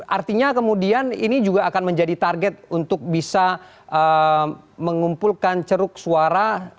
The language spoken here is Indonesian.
artinya kemudian ini juga akan menjadi target untuk bisa mengumpulkan ceruk suara